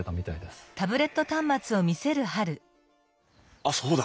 あっそうだ。